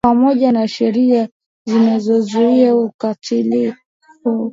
pamoja na sheria zinazozuia ukatili huo